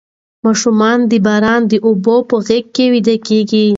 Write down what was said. ماشومان د باران د اوبو په غږ ویده کیږي.